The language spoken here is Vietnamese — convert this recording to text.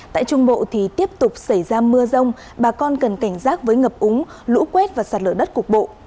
tại trung bộ thì tiếp tục xảy ra mưa rông bà con cần cảnh giác với ngập úng lũ quét và sạt lở đất cục bộ